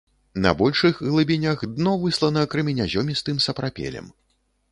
На большых глыбінях дно выслана крэменязёмістым сапрапелем.